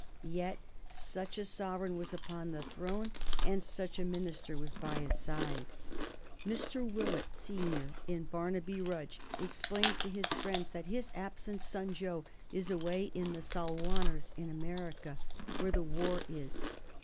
Yet such a sovereign was upon the throne and such a minister was by his side. Mr. Willett, senior, in "Barnaby Rudge," explains to his friends that his absent son Joe is away in "the Salwanners in America, where the war is."